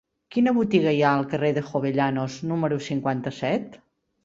Quina botiga hi ha al carrer de Jovellanos número cinquanta-set?